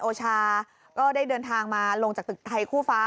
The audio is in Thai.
โอชาก็ได้เดินทางมาลงจากตึกไทยคู่ฟ้า